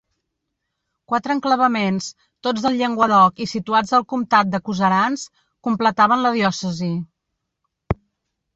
Quatre enclavaments, tots del Llenguadoc i situats al comtat de Coserans, completaven la diòcesi.